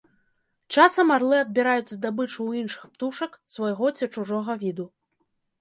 Часам арлы адбіраюць здабычу ў іншых птушак, свайго ці чужога віду.